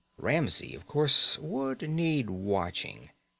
Ramsey, of course, would need watching.